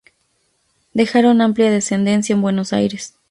Dejaron amplia descendencia en Buenos Aires.